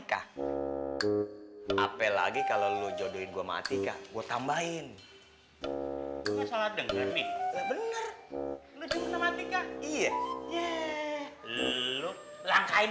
kah apel lagi kalau lu jodohin gua mati kah gue tambahin salah denger nih bener bener